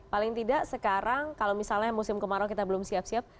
paling tidak sekarang kalau misalnya musim kemarau kita belum siap siap